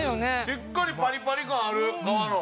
しっかりパリパリ感ある皮の。